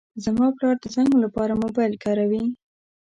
زما پلار د زنګ لپاره موبایل کاروي.